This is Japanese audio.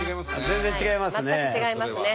全く違いますね。